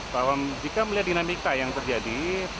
bahwa jika melihat dinamika yang terjadi